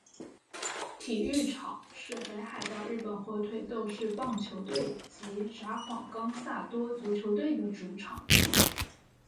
体育场是北海道日本火腿斗士棒球队及札幌冈萨多足球队的主场。